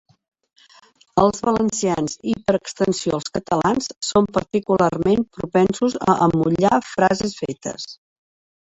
Els valencians i, per extensió, els catalans, són particularment propensos a amollar frases fetes.